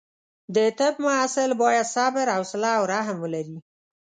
د طب محصل باید صبر، حوصله او رحم ولري.